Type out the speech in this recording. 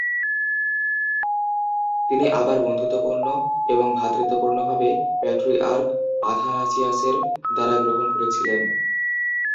তিনি আবার বন্ধুত্বপূর্ণ এবং ভ্রাতৃত্বপূর্ণভাবে প্যাট্রিয়ার্ক আথানাসিয়াসের দ্বারা গ্রহণ করেছিলেন।